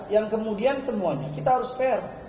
yang kemudian semuanya kita harus fair